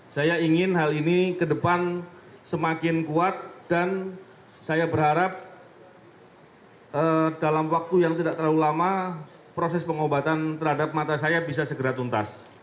saya ingin hal ini ke depan semakin kuat dan saya berharap dalam waktu yang tidak terlalu lama proses pengobatan terhadap mata saya bisa segera tuntas